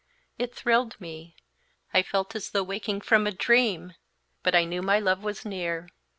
It thrilled me; I felt as though waking from a dream, but I knew my love was near.